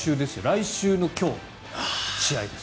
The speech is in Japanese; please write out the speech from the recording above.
来週の今日、試合です。